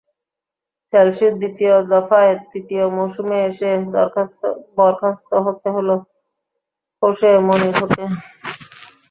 চেলসির দ্বিতীয় দফায় তৃতীয় মৌসুমে এসে বরখাস্ত হতে হলো হোসে মরিনহোকে।